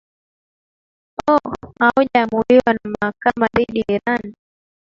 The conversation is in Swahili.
o hauja amuliwa na mahakama dhidi iran